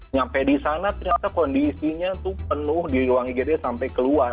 nyampe di sana ternyata kondisinya itu penuh di ruang igd sampai keluar